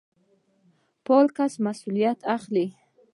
فعال کس مسوليت اخلي.